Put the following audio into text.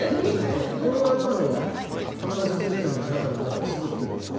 これは今のは、関節ネズミが中にまだくすぶっているので。